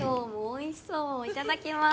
いただきます。